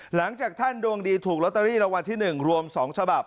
หลังจากท่านดวงดีถูกลอตเตอรี่รางวัลที่๑รวม๒ฉบับ